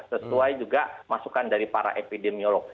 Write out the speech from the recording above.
sesuai juga masukan dari para epidemiolog